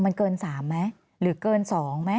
แต่ได้ยินจากคนอื่นแต่ได้ยินจากคนอื่น